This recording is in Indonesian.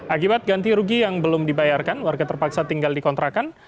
akibat ganti rugi yang belum dibayarkan warga terpaksa tinggal di kontrakan